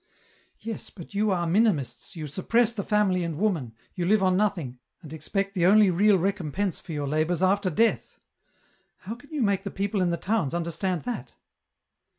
" Yes, but you are minimists, you suppress the family and woman, you live on nothing, and expect the only real recompense for your labours after death. How can you make the people in the towns understand that